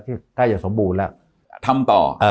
ใกล้จะสมบูรณ์แล้วทำต่อ